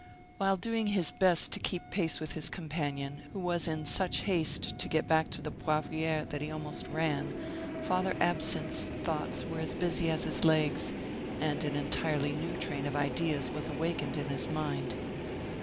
While doing his best to keep pace with his companion, who was in such haste to get back to the Poivriere that he almost ran, Father Absinthe's thoughts were as busy as his legs, and an entirely new train of ideas was awakened in his mind.